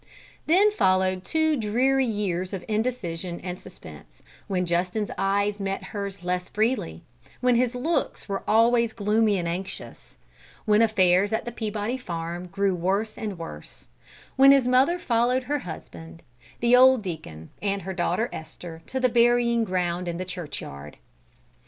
Then followed two dreary years of indecision and suspense, when Justin's eyes met hers less freely; when his looks were always gloomy and anxious; when affairs at the Peabody farm grew worse and worse; when his mother followed her husband, the old Deacon, and her daughter Esther to the burying ground in the churchyard.